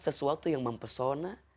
sesuatu yang mempesona